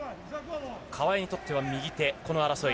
川井にとっては右手、この争い。